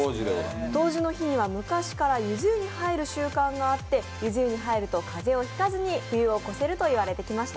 冬至の日には昔からゆず湯に入る習慣があってゆず湯に入ると風邪をひかずに冬を越せると言われてきました。